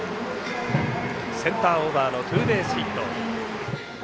センターオーバーのツーベースヒット。